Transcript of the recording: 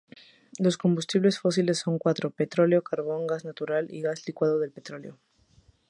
Los combustibles fósiles son cuatro: petróleo, carbón, gas natural y gas licuado del petróleo.